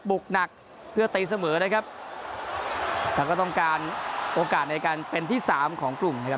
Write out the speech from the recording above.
หนักเพื่อตีเสมอนะครับแล้วก็ต้องการโอกาสในการเป็นที่สามของกลุ่มนะครับ